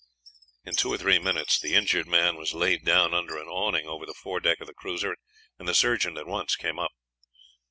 In two or three minutes the injured man was laid down under an awning over the fore deck of the cruiser, and the surgeon at once came up.